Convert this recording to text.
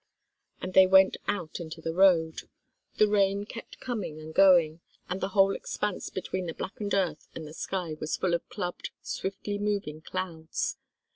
And they went out into the road. The rain kept coming and going, and the whole expanse between the blackened earth and the sky was full of clubbed, swiftly moving clouds.